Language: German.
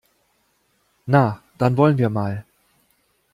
Na, dann wollen wir mal!